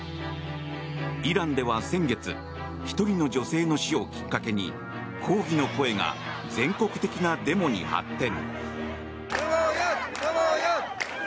イランでは先月１人の女性の死をきっかけに抗議の声が全国的なデモに発展。